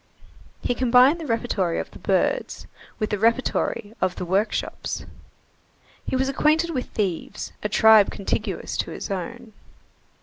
He combined the repertory of the birds with the repertory of the workshops. He was acquainted with thieves, a tribe contiguous to his own.